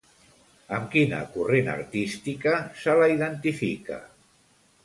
Amb quina corrent artística se la identifica?